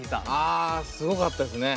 あすごかったですね。